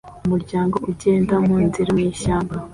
Umuryango ugenda munzira mwishyamba